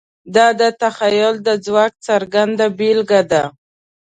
دا د تخیل د ځواک څرګنده بېلګه ده.